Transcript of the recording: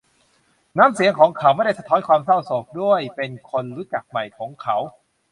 น้ำเสียงของเขาไม่ได้สะท้อนความเศร้าโศก ด้วยเป็นคนรู้จักใหม่ของเขา